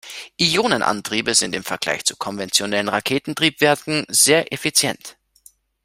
Ionenantriebe sind im Vergleich zu konventionellen Raketentriebwerken sehr effizient.